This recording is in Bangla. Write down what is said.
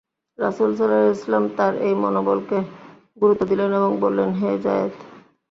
রাসূল সাল্লাল্লাহু আলাইহি ওয়াসাল্লাম তাঁর এই মনোবলকে গুরুত্ব দিলেন এবং বললেন, হে যায়েদ!